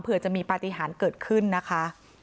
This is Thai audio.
เพื่อจะมีปฏิหารเกิดขึ้นนะคะ